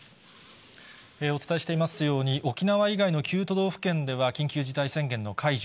お伝えしていますように、沖縄以外の９都道府県では、緊急事態宣言の解除。